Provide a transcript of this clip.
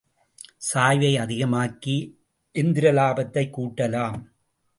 சாய்வை அதிகமாக்கி எந்திர இலாபத்தைக் கூட்டலாம்.